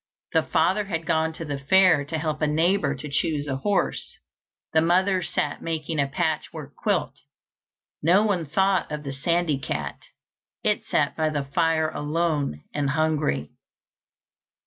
The father had gone to the fair to help a neighbour to choose a horse. The mother sat making a patchwork quilt. No one thought of the sandy cat; it sat by the fire alone and hungry.